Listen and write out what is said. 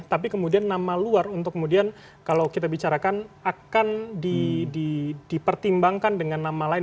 tapi kemudian nama luar untuk kemudian kalau kita bicarakan akan dipertimbangkan dengan nama lain